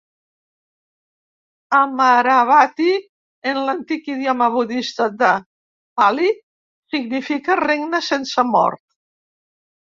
"Amaravati" en l'antic idioma budista de Pali significa "regne sense mort".